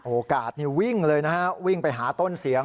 โอกาสนี่วิ่งเลยนะฮะวิ่งไปหาต้นเสียง